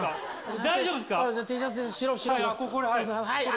大丈夫ですか。